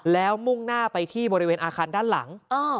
แล้วมุ่งหน้าไปที่บริเวณอาคารด้านหลัง